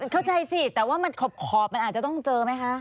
เข้าใจสิแต่ว่ามันขอบมันอาจจะต้องเจอไหมคะ